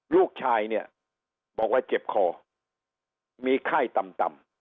ลูกชายเนี่ยบอกว่าเจ็บคอมีไข้ต่ำ